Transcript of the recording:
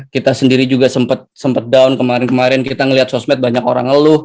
kita sendiri juga sempat down kemarin kemarin kita melihat sosmed banyak orang ngeluh